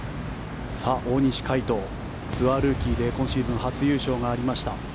大西魁斗、ツアールーキーで今シーズン初優勝がありました。